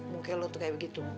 mungkin lo tuh kayak begitu